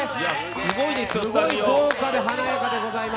すごい豪華で華やかでございます。